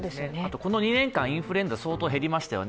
この２年間、インフルエンザが相当減りましたよね。